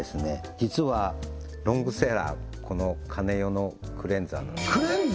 実はロングセラーのこのカネヨのクレンザーなんです